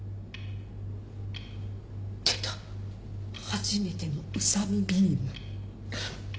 初めての宇佐見ビーム。